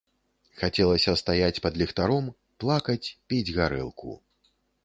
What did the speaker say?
Хацелася стаяць пад ліхтаром, плакаць, піць гарэлку.